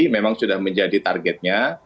memang sudah menjadi targetnya